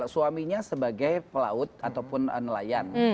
suaminya sebagai pelaut ataupun nelayan